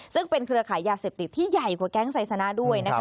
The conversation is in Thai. ซึ่งเป็นเครือขายยาเสพติดที่ใหญ่กว่าแก๊งไซสนะด้วยนะคะ